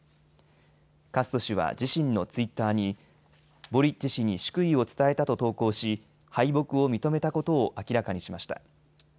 カスト氏は自身のツイッターにボリッチ氏に祝意を伝えたと投稿し敗北を認めたことを明らかにしました。